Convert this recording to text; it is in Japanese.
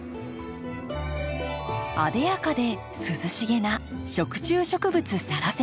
艶やかで涼しげな食虫植物サラセニア。